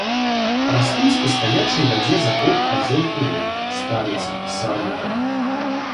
Растуць у стаячай вадзе заток азёр і рэк, старыцах, сажалках.